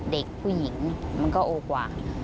เด็กผู้หญิงมันก็โอกว่า